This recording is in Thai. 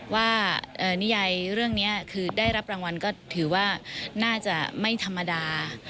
นิยายเรื่องนี้คือได้รับรางวัลก็ถือว่าน่าจะไม่ธรรมดา